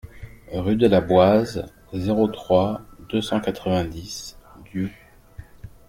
Rue de la Boise, zéro trois, deux cent quatre-vingt-dix Diou